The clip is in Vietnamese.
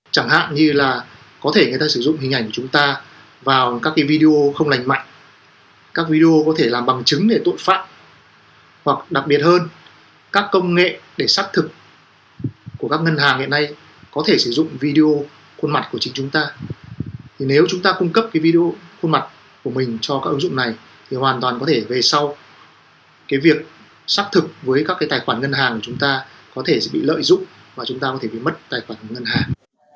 sắp thực với các cái tài khoản ngân hàng của chúng ta có thể bị lợi dụng và chúng ta có thể bị mất tài khoản ngân hàng